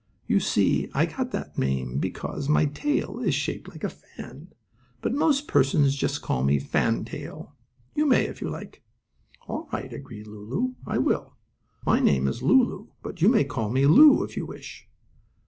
"You see I got that name because my tail is shaped like a fan, but most persons just call me Fan Tail. You may, if you like." "All right," agreed Lulu. "I will. My name is Lulu, but you may call me Lu, if you wish."